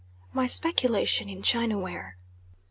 MY SPECULATION IN CHINA WARE.